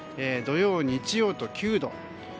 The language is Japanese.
土曜、日曜と９度。